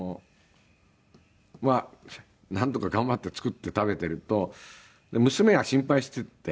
まあなんとか頑張って作って食べてると娘が心配してて。